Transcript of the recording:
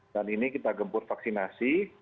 dan ini kita gempur vaksinasi